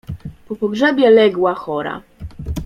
"Po pogrzebie legła chora."